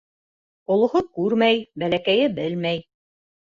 Олоһо күрмәй, бәләкәйе белмәй.